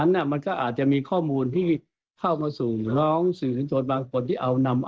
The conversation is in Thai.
และคนเขียนก็รู่วางไปหน่อย